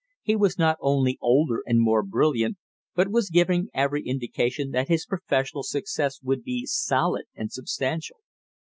He was not only older and more brilliant, but was giving every indication that his professional success would be solid and substantial.